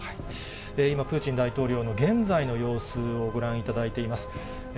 今、プーチン大統領の現在の様子をご覧いただいています。